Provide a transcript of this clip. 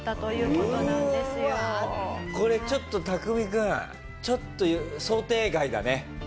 これちょっとタクミ君ちょっと想定外だね。